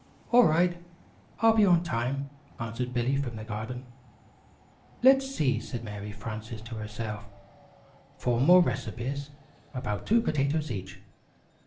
[Illustration: "O h, Billy!"] "All right, I'll be on time," answered Billy from the garden. "Let's see," said Mary Frances to herself, "four more recipes about two potatoes each.